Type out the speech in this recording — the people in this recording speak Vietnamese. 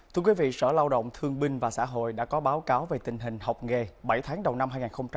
thưa quý vị sở lao động thương binh và xã hội đã có báo cáo về tình hình học nghề bảy tháng đầu năm hai nghìn hai mươi